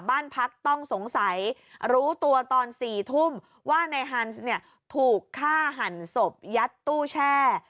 บ้านพักต้องสงสัยรู้ตัวตอน๔ทุ่มว่านายฮันส์เนี่ยถูกฆ่าหันศพยัดตู้แช่